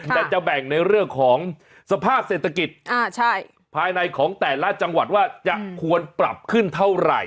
แต่จะแบ่งในเรื่องของสภาพเศรษฐกิจภายในของแต่ละจังหวัดว่าจะควรปรับขึ้นเท่าไหร่